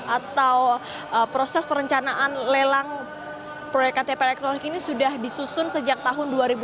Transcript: atau proses perencanaan lelang proyek ktp elektronik ini sudah disusun sejak tahun dua ribu tujuh belas